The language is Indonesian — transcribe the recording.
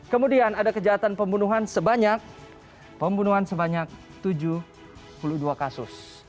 kemudian ada kejahatan pembunuhan sebanyak tujuh puluh dua kasus